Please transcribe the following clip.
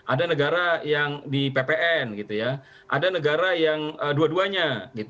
ada negara yang di ppn gitu ya ada negara yang dua duanya